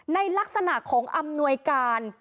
ในลักษณะของอำนวยการ